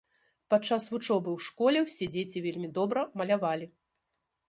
Падчас вучобы ў школе ўсе дзеці вельмі добра малявалі.